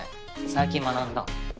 最近学んだ。